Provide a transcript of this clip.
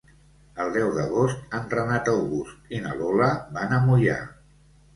El deu d'agost en Renat August i na Lola van a Moià.